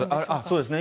そうですね。